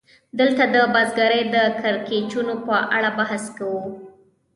دلته د بزګرۍ د کړکېچونو په اړه بحث کوو